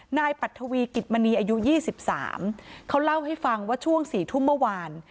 ปัทวีกิจมณีอายุ๒๓เขาเล่าให้ฟังว่าช่วง๔ทุ่มเมื่อวาน